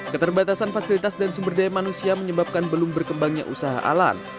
keterbatasan fasilitas dan sumber daya manusia menyebabkan belum berkembangnya usaha alan